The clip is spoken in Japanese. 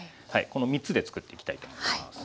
この３つで作っていきたいと思います。